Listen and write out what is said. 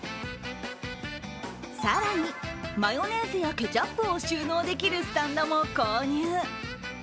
更にマヨネーズやケチャップを収納できるスタンドも購入。